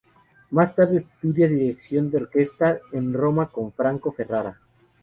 Más tarde estudia dirección de orquesta en Roma con Franco Ferrara.